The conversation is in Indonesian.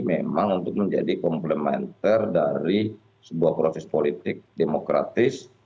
memang untuk menjadi komplementer dari sebuah proses politik demokratis